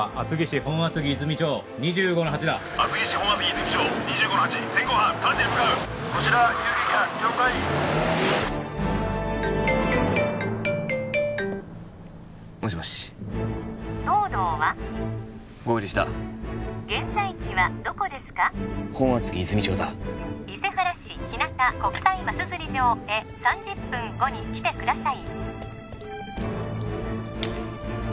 本厚木泉町だ伊勢原市日向国際マス釣り場へ３０分後に来てください